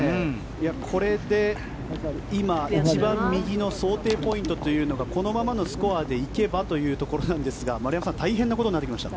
これで今、一番右の想定ポイントというのがこのままのスコアで行けばというところなんですが丸山さん大変なことになってきました。